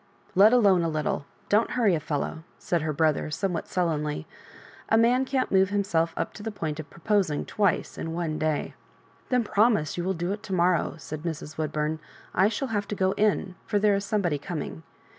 *' Let alone a little ; don't hurry a fellow," said her brother, somewhat sullenly ;" a man can't move himself up to the point of proposing twice in one day." " Then promise that you will do it to morrow," said Mrs. Woodbum. "I shall have to go in, for there is somebody coming.